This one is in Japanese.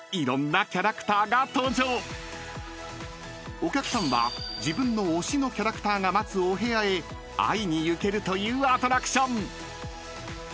［お客さんは自分の推しのキャラクターが待つお部屋へ会いに行けるというアトラクション！］